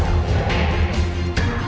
mama punya rencana